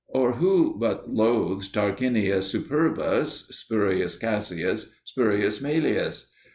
Or who but loathes Tarquinius Superbus, Spurius Cassius, Spurius Maelius?